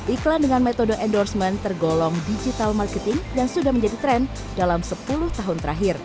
iklan dengan metode endorsement tergolong digital marketing dan sudah menjadi tren dalam sepuluh tahun terakhir